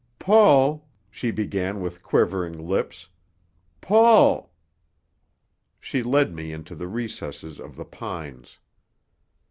"Paul!" she began with quivering lips. "Paul!" She led me into the recesses of the pines.